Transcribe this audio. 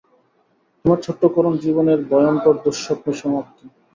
তোমার ছোট্ট করুণ জীবনের ভয়ঙ্কর দুঃস্বপ্নের সমাপ্তি।